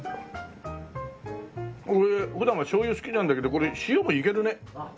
俺普段はしょうゆ好きなんだけどこれ塩もいけるねねえ。